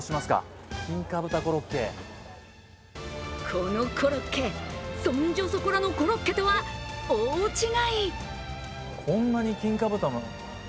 このコロッケ、そんじょそこらのコロッケとは大違い。